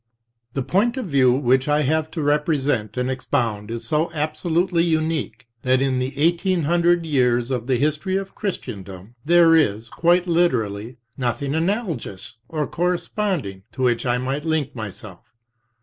"The point of view which I have to represent and expound is so absolutely unique, that in the eighteen hundred years of the history of Christendom there is, quite literally, nothing analogous or corresponding to which I might link myself.